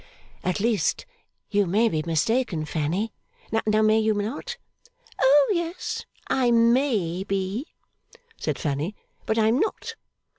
'At least, you may be mistaken, Fanny. Now, may you not?' 'O yes, I may be,' said Fanny, 'but I am not.